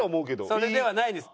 それではないです。